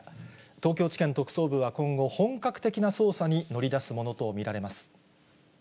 東京地検特捜部は今後、本格的な捜査に乗り出すものと見られます。